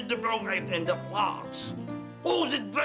ibanci diam dulu